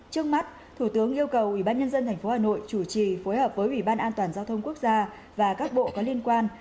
trước mắt thủ tướng yêu cầu ủy ban nhân dân thành phố hà nội chủ trì phối hợp với ủy ban an toàn giao thông quốc gia và các bộ có liên quan